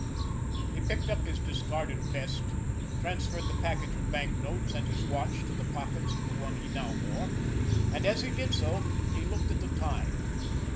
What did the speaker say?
He picked up his discarded vest, transferred the package of banknotes and his watch to the pockets of the one he now wore, and as he did so, he looked at the time.